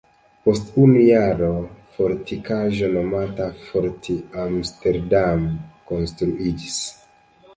Post unu jaro fortikaĵo nomata "Fort Amsterdam" konstruiĝis.